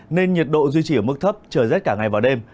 nên nhiệt độ duy trì ở mức thấp trời rét cả ngày và đêm